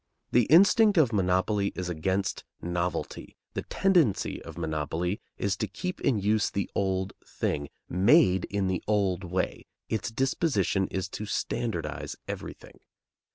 The instinct of monopoly is against novelty, the tendency of monopoly is to keep in use the old thing, made in the old way; its disposition is to "standardize" everything.